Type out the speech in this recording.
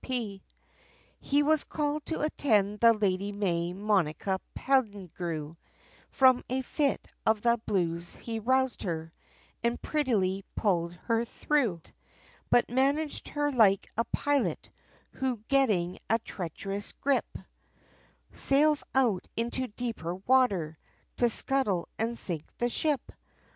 C.P. He was called to attend the Lady May Monica Pendigrew, From a fit of the blues he roused her, and prettily pulled her through, But managed her like a pilot, who getting a treacherous grip, Sails out into deeper water, to scuttle and sink the ship!